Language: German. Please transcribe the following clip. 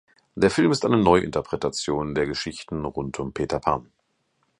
Der Film ist eine Neuinterpretation der Geschichten rund um Peter Pan.